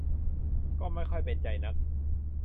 ก็ไม่ค่อยเป็นใจนัก